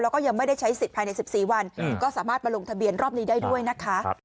แล้วก็ยังไม่ได้ใช้สิทธิภายใน๑๔วันก็สามารถมาลงทะเบียนรอบนี้ได้ด้วยนะคะ